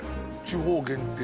「地方限定」